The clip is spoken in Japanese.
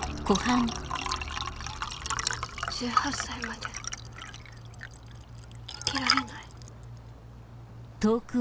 １８歳まで生きられない。